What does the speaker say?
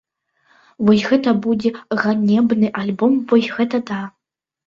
Вось гэта будзе ганебны альбом, вось гэта да!